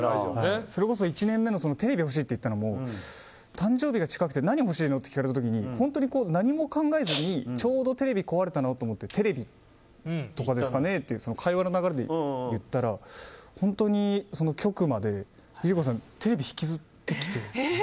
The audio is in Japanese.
それこそ１年目にテレビ欲しいって言ったのも誕生日が近くて何欲しいのって聞かれた時に本当に何も考えずにちょうどテレビ壊れたなと思ってテレビとかですかねって会話の流れで言ったら、本当に局までＬｉＬｉＣｏさんテレビを引きずってきて。